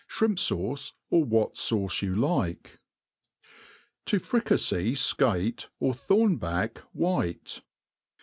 Shrimp* fauce, or what fauce you like. To fricafey Scale or Thornhack white.